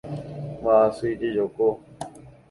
Mba'asy jejoko.